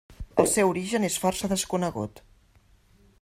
El seu origen és força desconegut.